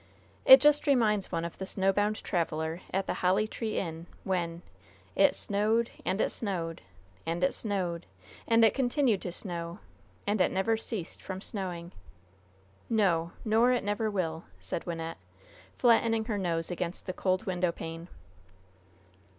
It just reminds one of the snowbound traveler at the 'Holly Tree Inn,' when 'It snowed, and it snowed, and it snowed, and it continued to snow, and it never ceased from snowing.' No, nor it never will!" said Wynnette, flattening her nose against the cold window pane.